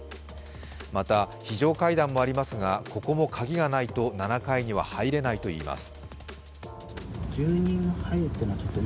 また、非常階段もありますがここも鍵がないと７階には入れないといいます。